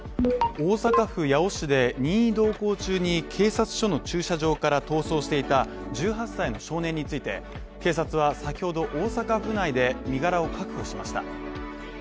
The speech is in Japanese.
大阪府八尾市で任意同行中に警察署の駐車場から逃走していた１８歳の少年について、警察は先ほど大阪府内で身柄を確保しました。